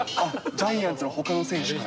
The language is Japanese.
ジャイアンツのほかの選手から？